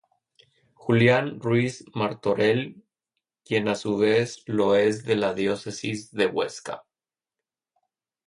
Julián Ruiz Martorell, quien a su vez lo es de la diócesis de Huesca.